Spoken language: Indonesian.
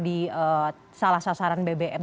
di salah sasaran bbm